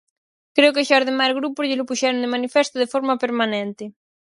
Creo que xa os demais grupos llelo puxeron de manifesto de forma permanente.